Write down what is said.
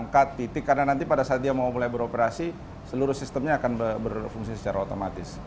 karena nanti pada saat dia mau mulai beroperasi seluruh sistemnya akan berfungsi secara otomatis